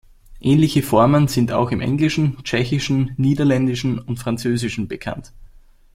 Ähnliche Formen sind auch im Englischen, Tschechischen, Niederländischen und Französischen bekannt.